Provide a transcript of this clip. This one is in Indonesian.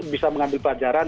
bisa mengambil pelajaran